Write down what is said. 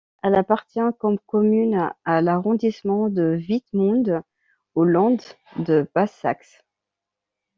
Elle appartient comme commune à l'arrondissement de Wittmund au Land de Basse-Saxe.